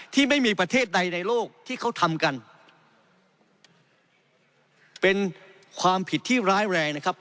ที่ไม่มีประเทศใดในโลกที่เขาทำกันเป็นความผิดที่ร้ายแรงนะครับ